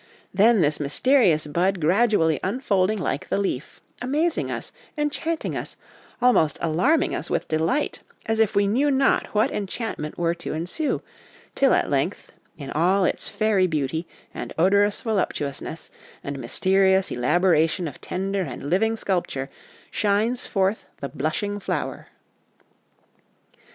then this mysterious bud gradually unfolding like the leaf, amazing us, enchanting us, almost alarming us with delight, as if we knew not what enchantment were to ensue, till at length, in all its fairy beauty, and odorous voluptuousness, and mysterious elaboration of tender and living sculpture, shines forth the blushing flower."